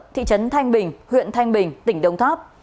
thị trấn thanh bình huyện thanh bình tỉnh đông tháp